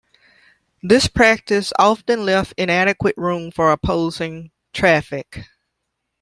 This practice often left inadequate room for opposing traffic.